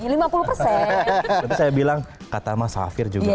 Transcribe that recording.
tapi saya bilang kata mas safir juga